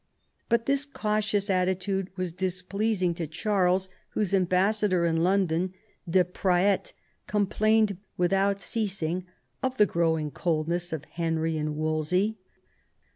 But this cautious attitude was displeasing to Charles, whose ambassador in London, De Praet^ complained without ceasing of the growing coldness of Henry and Wolsey.